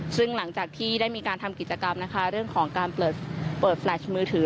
ซึ่งหลังจากที่ได้มีการทำกิจกรรมนะคะเรื่องของการเปิดแฟลชมือถือ